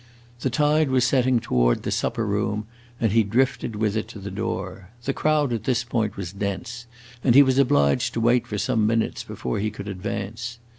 The tide was setting toward the supper room and he drifted with it to the door. The crowd at this point was dense, and he was obliged to wait for some minutes before he could advance.